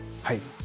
はい。